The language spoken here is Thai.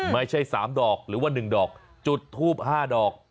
ไม่ใช่๓ดอกหรือว่า๑ดอกจุดทูป๕ดอก